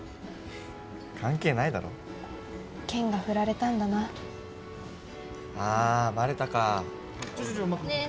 関係ないだろ健がふられたんだなあーバレたかねえ